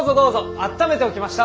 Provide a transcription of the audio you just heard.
あっためておきました。